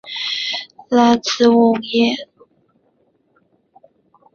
拉兹奎耶。